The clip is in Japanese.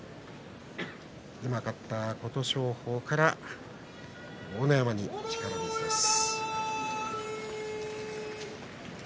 今、勝った琴勝峰から豪ノ山に力水です。